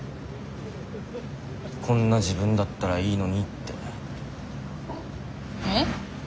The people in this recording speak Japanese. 「こんな自分だったらいいのに」って。え？